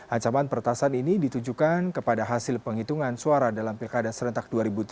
ancaman peretasan ini ditujukan kepada hasil penghitungan suara dalam pilkada serentak dua ribu tujuh belas